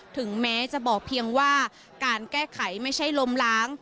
ถึงแม้จะบอกเพียงว่าการแก้ไขไม่ใช่ล้มล้าง